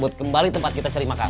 buat kembali tempat kita cari makan